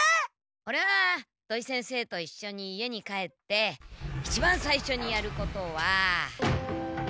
オレは土井先生といっしょに家に帰っていちばんさいしょにやることは。